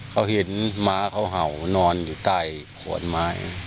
เขาเห็นม้าเขาเห่านอนอยู่ใต้ขวดไม้